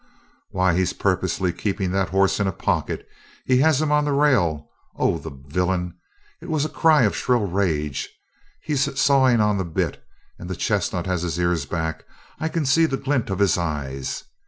"Why, he's purposely keeping that horse in a pocket. Has him on the rail. Oh, the villain!" It was a cry of shrill rage. "He's sawing on the bit! And the chestnut has his ears back. I can see the glint of his eyes.